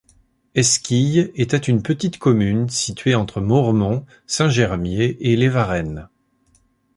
Esquille était une petite commune située entre Mauremont, Saint-Germier et les Varennes.